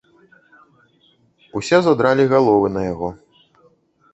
Усе задралі галовы на яго.